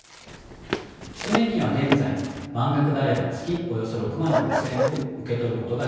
基礎年金は現在満額であれば月およそ６万６，０００円を受け取ることができます。